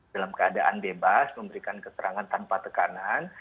dalam keadaan bebas memberikan keterangan tanpa tekanan